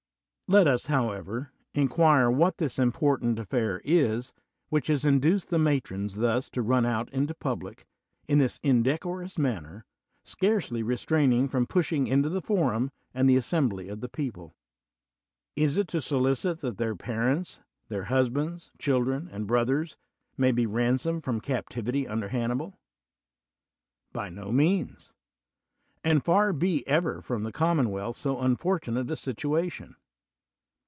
Let us, how ever, inquire what this important aflfair is which has induced the matrons thus to run out into public in this indecorous manner, scarcely re straining from pushing into the forum and the assembly of the people. Is it to solicit that their parents, their hus bands, children, and brothers may be ransomed from captivity under Hannibal? By no means: and far be ever from the com monwealth so unfortunate a situation.